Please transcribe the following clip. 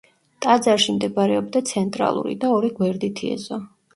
ტაძარში მდებარეობდა ცენტრალური და ორი გვერდითი ეზო.